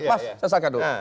mas saya sampaikan dulu